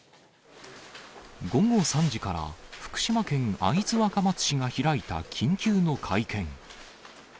午後３時から、福島県会津若松市が開いた緊急の会見。